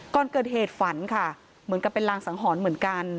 ก่อนเกิดเหตุฝันค่ะเหมือนกับเป็นรางสังหรณ์เหมือนกัน